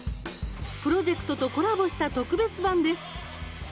プロジェクトとコラボした特別版です。